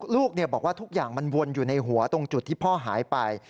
ลูกบอกว่าทุกอย่างมันวนอยู่ในหัวตรงจุดที่พ่อหายไป